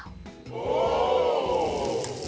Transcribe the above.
โอ้โห